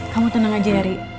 kamu tenang aja ya ri